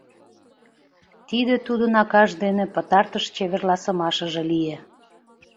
Тиде тудын акаж дене пытартыш чеверласымашыже лие.